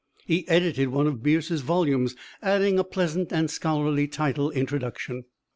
He edited one of Bierce's volumes, adding a pleasant and scholarly little introduction.